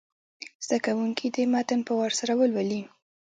زده کوونکي دې متن په وار سره ولولي.